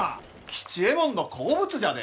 吉右衛門の好物じゃで！